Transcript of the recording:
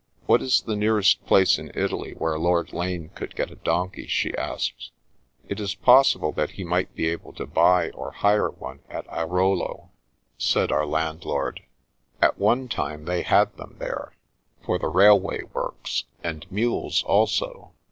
" What is the nearest place in Italy where Lord Lane could get a donkey? " she asked. " It is possible that he might be able to buy or hire one at Airolo," said our landlord. " At one time In Search of a Mule 59 they had them there, for the railway works, and mules also.